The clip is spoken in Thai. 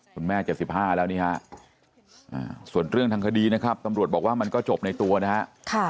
แม่๗๕แล้วนี่ฮะส่วนเรื่องทางคดีนะครับตำรวจบอกว่ามันก็จบในตัวนะฮะ